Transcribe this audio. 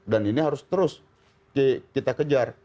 dan ini harus terus kita kejar